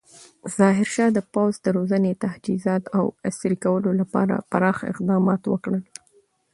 ظاهرشاه د پوځ د روزنې، تجهیزات او عصري کولو لپاره پراخ اقدامات وکړل.